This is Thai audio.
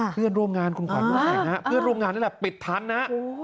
เครื่องร่วมงานคุณขวานรู้ไหมนะครับเครื่องร่วมงานนี่แหละปิดทันนะ